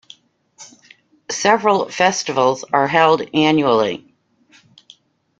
Several festivals are held annually.